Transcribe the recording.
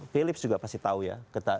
philips juga pasti tahu ya